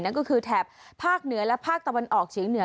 นั่นก็คือแถบภาคเหนือและภาคตะวันออกเฉียงเหนือ